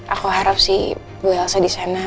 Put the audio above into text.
aku harap si bu elsa disana